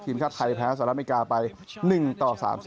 ทีมชาติไทยแพ้สหรัฐอเมริกาไป๑ต่อ๓๐